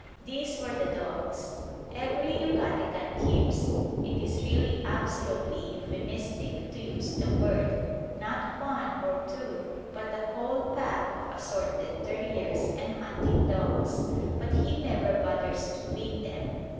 These were the dogs. Every Yucatecan keeps it is really absolutely euphemistic to use the word not one or two, but a whole pack of assorted terriers and hunting dogs; but he never bothers to feed them.